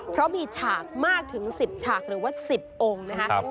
เพราะมีฉากมากถึง๑๐ฉากหรือว่า๑๐องค์นะครับ